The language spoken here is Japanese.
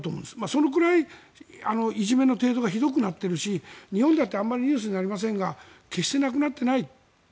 そのくらい、いじめの程度がひどくなっているし日本だってあまりニュースになりませんが決してなくなってない。